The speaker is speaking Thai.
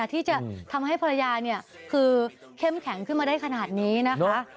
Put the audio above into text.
ที่จะทำให้ภรรยาคือเข้มแข็งขึ้นมาได้ขนาดนี้นะคะ